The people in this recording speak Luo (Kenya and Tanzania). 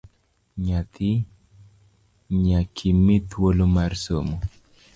Nyathi nyakimi thuolo mar somo